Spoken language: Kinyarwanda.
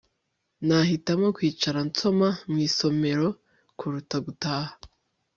Nahitamo kwicara nsoma mu isomero kuruta gutaha